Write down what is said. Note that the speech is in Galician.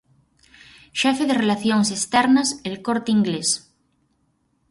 Xefe Relacións Externas El Corte Inglés.